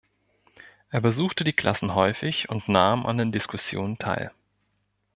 Er besuchte die Klassen häufig und nahm an den Diskussionen teil.